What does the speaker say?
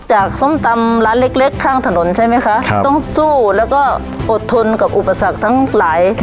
ส้มตำร้านเล็กเล็กข้างถนนใช่ไหมคะครับต้องสู้แล้วก็อดทนกับอุปสรรคทั้งหลาย